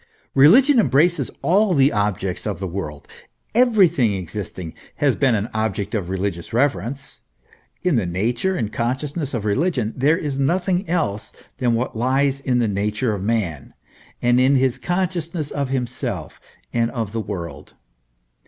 Eeligion embraces all the objects of the world ; everything ex isting has been an object of religious reverence ; in the nature and consciousness of religion there is nothing else than what lies in the nature of man and in his consciousness of himself and of the world.